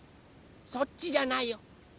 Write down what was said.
そっちじゃないよ。